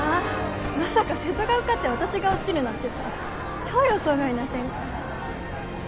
まさか瀬戸が受かって私が落ちるなんてさ超予想外な展開